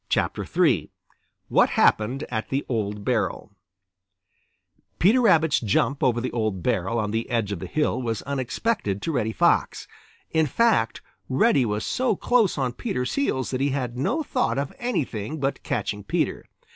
III WHAT HAPPENED AT THE OLD BARREL Peter Rabbit's jump over the old barrel on the edge of the hill was unexpected to Reddy Fox. In fact, Reddy was so close on Peter's heels that he had no thought of anything but catching Peter.